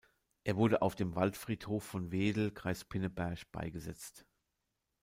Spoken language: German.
Er wurde auf dem Waldfriedhof von Wedel, Kreis Pinneberg, beigesetzt.